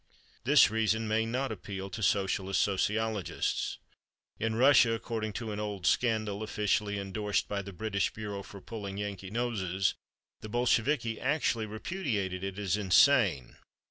This reason may not appeal to Socialist sociologists. In Russia, according to an old scandal (officially endorsed by the British bureau for pulling Yankee noses) the Bolsheviki actually repudiated it as insane.